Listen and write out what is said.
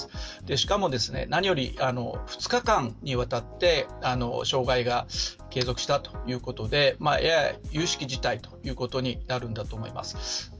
しかも、何より２日間にわたって障害が継続したということでゆゆしき事態ということになるんだと思います。